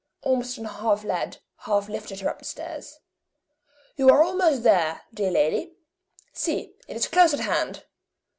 Ormiston half led, half lifted her up the stairs. "You are almost there, dear lady see, it is close at hand!"